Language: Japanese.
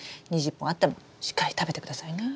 ２０本あってもしっかり食べてくださいね。